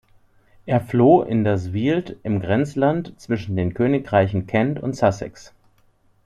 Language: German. Er floh in das Weald im Grenzland zwischen den Königreichen Kent und Sussex.